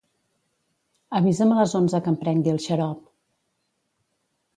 Avisa'm a les onze que em prengui el xarop.